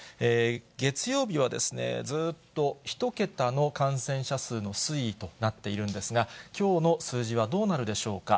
月曜日はですね、ずっと１桁の感染者数の推移となっているんですが、きょうの数字はどうなるでしょうか。